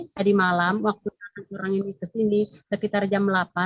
tadi malam waktu saya kurangin ke sini sekitar jam delapan